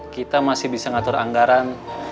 kita masih bisa ngatur anggaran